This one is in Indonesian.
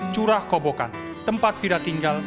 curah kobokan tempat fida tinggal